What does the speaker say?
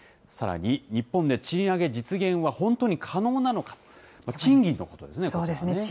さらに、日本で賃上げ実現は本当に可能なのかと、賃金のことですね、こちらね。